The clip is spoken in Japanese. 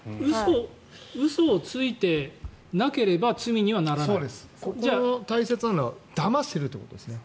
嘘をついてなければ大切なのはだましているということですね。